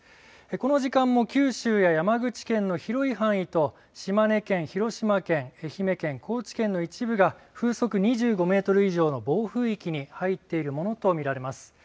この時間も九州や山口県の広い範囲と島根県、広島県、愛媛県、高知県の一部が風速２５メートル以上の暴風域に入っているものと見られます。